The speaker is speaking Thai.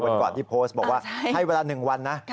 ก่อนที่โพสต์บอกว่าให้เวลา๑วันนะ